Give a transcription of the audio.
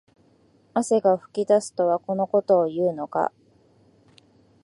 汗が噴き出すとはこのことを言うのか